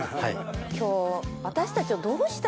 今日。